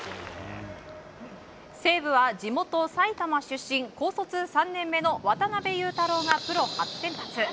西武は地元・埼玉出身高卒３年目の渡邉勇太朗がプロ初先発。